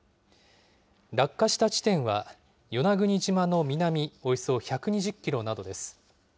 落下した地点は、与那国島の南およそ１２０キロなどです。